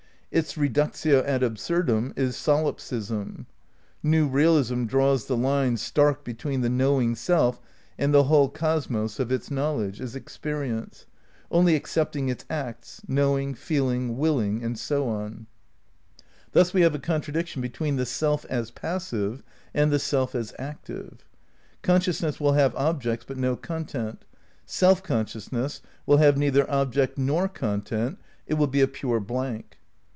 Its reductio ad absurdum is Solipsism. New realism draws the hue stark between the knowing self and the whole cosmos of its knowl edge, its experience ; only excepting its acts (knowing, feeling, wiUing and so on). Thus we have a contra diction between the self as passive and the self as active. Consciousness will have objects but no content. Self consciousness will have neither object nor content, it will be a pure blank.